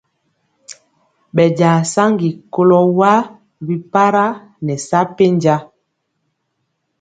Bɛnja saŋgi kɔlo waa bi para nɛ sa penja.